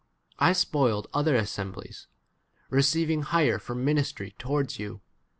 I spoiled other assemblies, receiving 9 hire for ministry towards you.